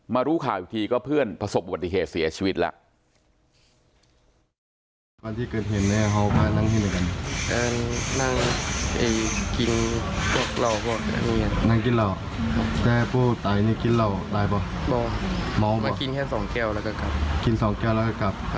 มารู้ข่าวทีก็เพื่อนผสมบัติเหตุเสียชีวิตละ